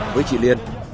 với chị liên